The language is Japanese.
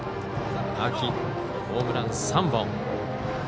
秋、ホームラン３本。